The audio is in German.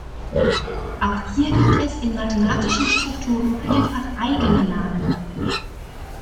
Auch hier gibt es in mathematischen Strukturen vielfach eigene Namen.